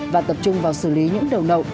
và tập trung vào xử lý những đầu nậu